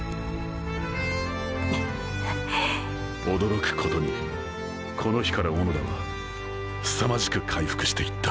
驚くことにこの日から小野田はすさまじく回復していった。